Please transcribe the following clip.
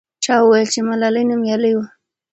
چا وویل چې ملالۍ نومیالۍ وه.